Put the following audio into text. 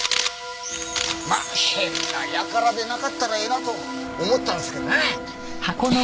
まあ変な輩でなかったらええなと思ってたんですけどね。